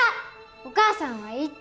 お母さんは言った！